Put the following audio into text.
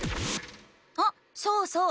あそうそう！